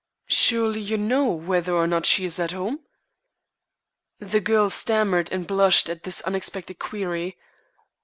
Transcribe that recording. "Surely you know whether or not she is at home?" The girl stammered and blushed at this unexpected query.